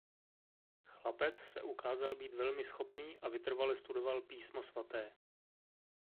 Chlapec se ukázal být velmi schopný a vytrvale studoval Písmo svaté.